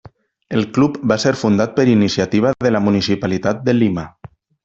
El club va ser fundat per iniciativa de la municipalitat de Lima.